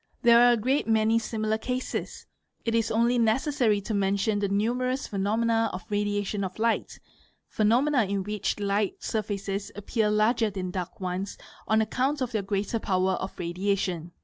There are a great many similar cases: it is only necessary to mention the numerous phenomena of radiation of light, phenomena , in which light surfaces appear larger than dark ones on account of their greater power of radiation.